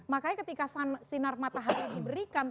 makanya ketika sinar matahari diberikan